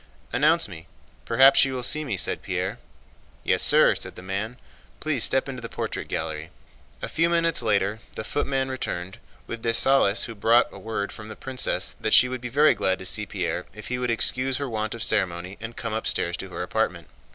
"Announce me. Perhaps she will see me," said Pierre. "Yes, sir," said the man. "Please step into the portrait gallery." A few minutes later the footman returned with Dessalles, who brought word from the princess that she would be very glad to see Pierre if he would excuse her want of ceremony and come upstairs to her apartment.